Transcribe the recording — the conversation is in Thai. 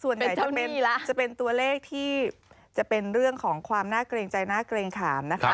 สวมบทโหดส่วนใหญ่จะเป็นตัวเลขที่จะเป็นเรื่องของความน่าเกรงใจน่าเกรงขามนะคะ